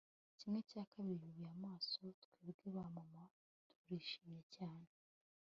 Kimwe cya kabiri yubuye amaso Twebwe ba mama turishimye cyane